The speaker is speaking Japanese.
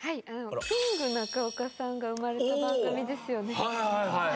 キング中岡さんが生まれた番組ですよね。